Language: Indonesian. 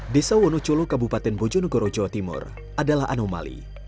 desa wonocolo kabupaten bojonegoro jawa timur adalah anomali